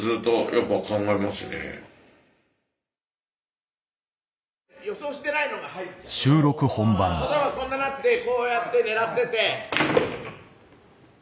例えばこんななってこうやって狙ってて。